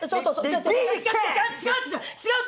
違う！